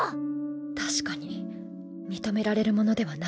確かに認められるものではないな。